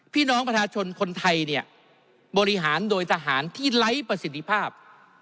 พี่น้องประชาชนคนไทยเนี่ยบริหารโดยทหารที่ไร้ประสิทธิภาพ